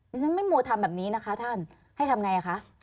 ฉันไม่มัวทำแบบนี้นะคะท่านให้ทำไงคะ